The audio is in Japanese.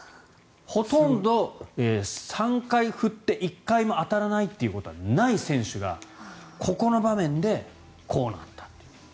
ほとんど３回振って１回も当たらないということはない選手がここの場面でこうなったという。